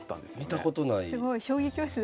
見たことない。